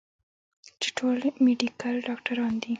چې ټول د ميډيکل ډاکټران دي